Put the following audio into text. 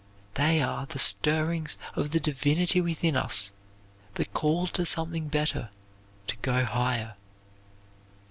They are the stirrings of the divinity within us; the call to something better, to go higher.